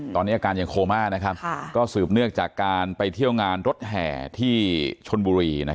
ตอนนี้อาการยังโคม่าก็สืบเนื่องจากการไปเที่ยวงานรถแห่ที่ชนบุรี